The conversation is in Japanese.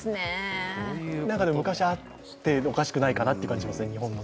昔あっておかしくないかなと思いますね。